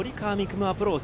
夢はアプローチ。